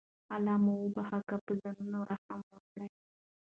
الله مو بخښي که پر ځانونو رحم وکړئ.